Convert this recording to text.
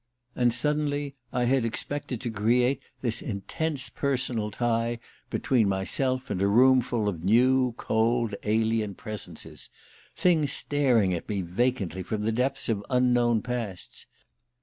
And suddenly I had expected to create this kind of intense personal tie between myself and a roomful of new cold alien presences things staring at me vacantly from the depths of unknown pasts!